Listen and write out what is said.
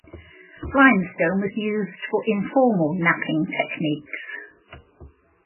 Limestone was used for informal knapping techniques.